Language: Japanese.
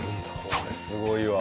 これすごいわ。